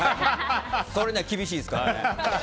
それには厳しいですからね。